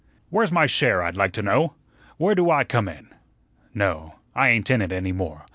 Where's my share, I'd like to know? Where do I come in? No, I ain't in it any more.